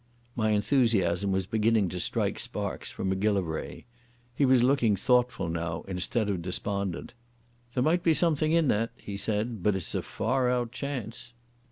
My enthusiasm was beginning to strike sparks from Macgillivray. He was looking thoughtful now, instead of despondent. "There might be something in that," he said, "but it's a far out chance."